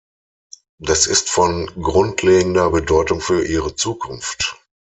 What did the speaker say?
Das ist von grundlegender Bedeutung für ihre Zukunft.